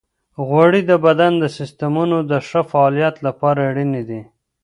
غوړې د بدن د سیستمونو د ښه فعالیت لپاره اړینې دي.